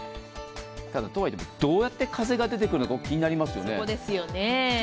とはいっても、どうやって風が出てくるのか気になりますよね。